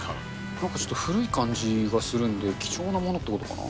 なんかちょっと古い感じがするんで、貴重なものってことかな。